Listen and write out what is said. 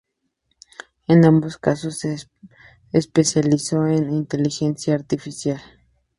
En ambos casos, se especializó en inteligencia artificial.